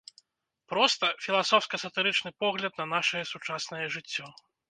Проста, філасофска-сатырычны погляд на нашае сучаснае жыццё.